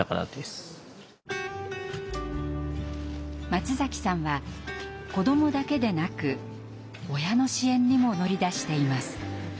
松崎さんは子どもだけでなく親の支援にも乗り出しています。